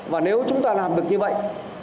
và nếu chúng ta làm được như vậy